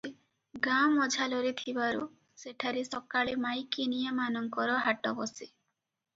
ଗାଁ ମଝାଲରେ ଥିବାରୁ ସେଠାରେ ସକାଳେ ମାଈକିନିଆ ମାନଙ୍କର ହାଟ ବସେ ।